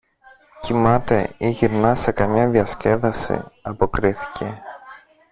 Κοιμάται ή γυρνά σε καμιά διασκέδαση, αποκρίθηκε.